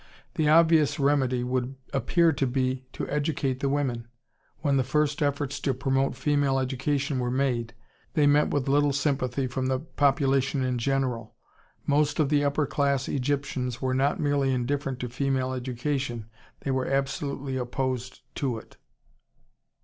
The obvious remedy would appear to be to educate the women.... When the first efforts to promote female education were made, they met with little sympathy from the population in general.... Most of the upper class Egyptians were not merely indifferent to female education; they were absolutely opposed to it....